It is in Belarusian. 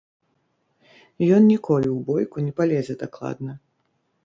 Ён ніколі ў бойку не палезе дакладна.